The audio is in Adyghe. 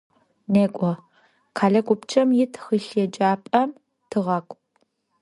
НекӀо, къэлэ гупчэм ит тхылъеджапӏэм тыгъакӀу.